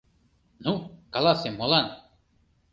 Ну, каласе, молан.